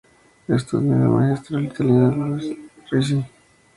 Estudió con el maestro italiano Luis Ricci.